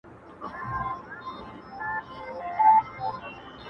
o چي د پېزوان او د نتکۍ خبره ورانه سوله ,